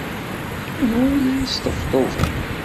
Anwa ay la d-yesṭebṭuben?